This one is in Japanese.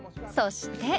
そして。